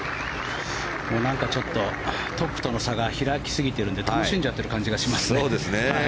何かちょっとトップとの差が開きすぎちゃってるので楽しんじゃってる感じがしますね。